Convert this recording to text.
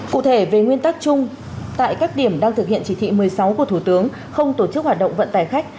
cụ thể về nguyên tắc chung tại các điểm đang thực hiện chỉ thị một mươi sáu của thủ tướng không tổ chức hoạt động vận tải khách